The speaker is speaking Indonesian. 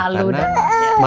malu dan malas